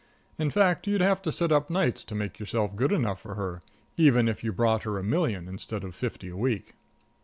In fact, you'd have to sit up nights to make yourself good enough for her, even if you brought her a million, instead of fifty a week.